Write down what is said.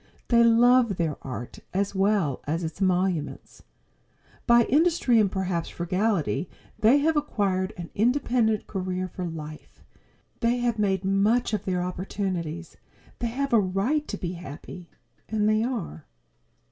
They love their art as well as its emoluments. By industry and perhaps frugality they have acquired an independent career for life. They have made much of their opportunities. They have a right to be happy. And they are.